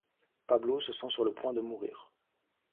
Pablo se sent sur le point de mourir.